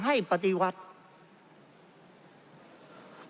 เพราะเรามี๕ชั่วโมงครับท่านนึง